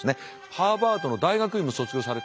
ハーバードの大学院も卒業され。